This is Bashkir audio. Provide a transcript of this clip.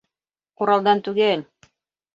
Уралдан түгел